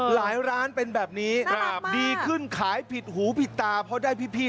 หลายร้านเป็นแบบนี้น่ารักมากดีขึ้นขายผิดหูผิดตาเพราะได้พี่พี่